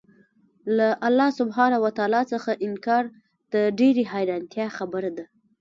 له الله سبحانه وتعالی څخه انكار د ډېري حيرانتيا خبره ده